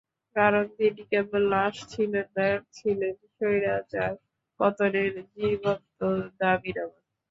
কারণ, তিনি কেবল লাশ ছিলেন না, ছিলেন স্বৈরাচার পতনের জীবন্ত দাবিনামা।